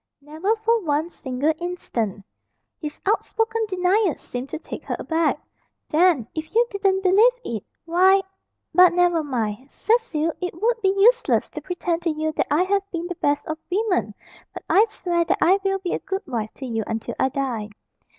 "Never for one single instant." His outspoken denial seemed to take her aback. "Then, if you didn't believe it, why but never mind! Cecil, it would be useless to pretend to you that I have been the best of women, but I swear that I will be a good wife to you until I die."